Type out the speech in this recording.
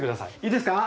いいですか？